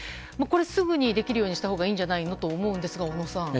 すぐにできるようにしたほうがいいんじゃないのと思うんですが、小野さん。